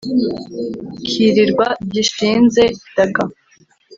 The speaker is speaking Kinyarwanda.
kirirwa gishinze daga